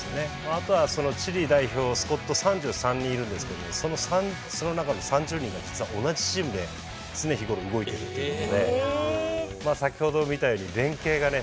あとはそのチリ代表スコッド３３人いるんですけどもその中の３０人が実は同じチームで常日頃動いてるっていうことでまあ先ほどみたいに連携がね